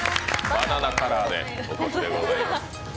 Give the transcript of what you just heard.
バナナカラーでお越しでございます。